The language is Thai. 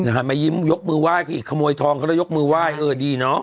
หันมายิ้มยกมือไห้เขาอีกขโมยทองเขาแล้วยกมือไหว้เออดีเนอะ